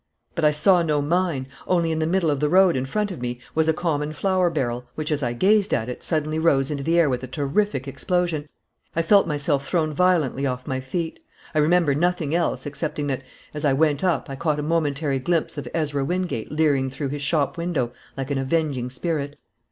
But I saw no mine, only in the middle of the road in front of me was a common flour barrel, which, as I gazed at it, suddenly rose into the air with a terrific explosion. I felt myself thrown violently off my feet. I remember nothing else, excepting that, as I went up, I caught a momentary glimpse of Ezra Wingate leering through is shop window like an avenging spirit.